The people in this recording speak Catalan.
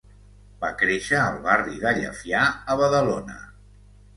Va créixer al barri de Llefià, a Badalona.